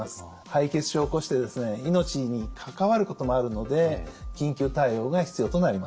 敗血症を起こして命に関わることもあるので緊急対応が必要となります。